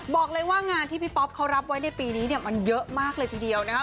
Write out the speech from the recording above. บอกเลยว่างานที่พี่ป๊อปเขารับไว้ในปีนี้เนี่ยมันเยอะมากเลยทีเดียวนะคะ